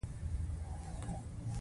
د تا مور ډیره مهربانه ښکاري